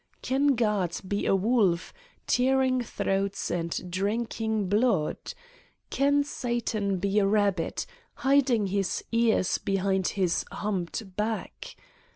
Can God be a wolf, tearing throats and drinking blood! Can Satan be a rabbit, hiding his ears behind his humped back!